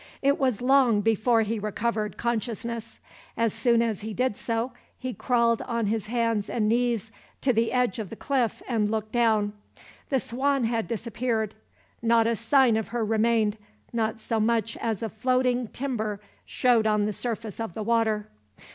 It was long before he recovered consciousness. As soon as he did so, he crawled on his hands and knees to the edge of the cliff, and looked down. The Swan had disappeared. Not a sign of her remained, not so much as a floating timber showed on the surface of the water.